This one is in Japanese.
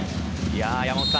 山本さん。